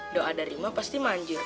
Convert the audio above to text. doa dari emak pasti manjur